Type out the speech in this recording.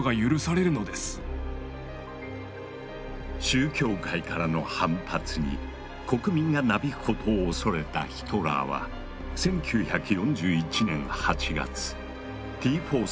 宗教界からの反発に国民がなびくことを恐れたヒトラーは１９４１年８月Ｔ４作戦の中止を命令。